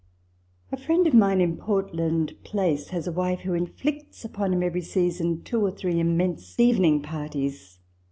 A friend of mine in Portland Place has a wife who inflicts upon him every season two or three immense evening parties.